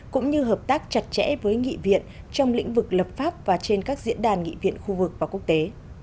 cũng như hợp tác chặt chẽ với nghị viện trong lĩnh vực lập pháp và trên các diễn đàn nghị viện khu vực và quốc tế